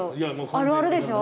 あるあるでしょ？